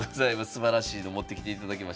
すばらしいの持ってきていただきました。